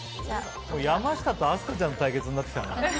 山下と飛鳥ちゃんの対決になってきたね。